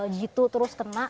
gitu terus kena